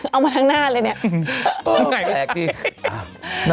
เอามาทั้งหน้าเลยเนี่ย